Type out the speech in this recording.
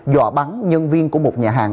dọa bắn nhân viên của một nhà hàng